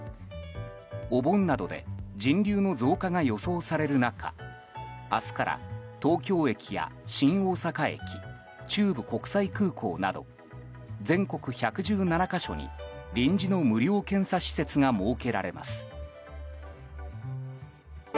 お盆などで人流の増加が予想される中明日から、東京駅や新大阪駅中部国際空港など全国１１７か所に臨時の無料検査施設が設けられます。